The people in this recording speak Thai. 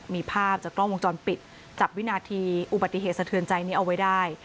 มีภาพจากกล้องวงจรปิดจับวินาทีอุบัติเหตุสะเทือนใจนี้เอาไว้ได้